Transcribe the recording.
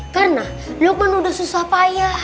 karena lukman udah susah payah